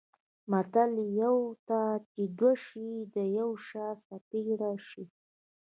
متل: یوه ته چې دوه شي د یوه شا سپېره شي.